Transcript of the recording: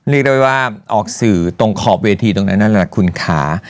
นึกได้ไงว่าออกสื่อตรงขอบเวทีตรงไหนน่ะแน่นั่นคุณค่า